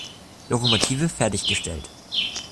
Lokomotive fertiggestellt.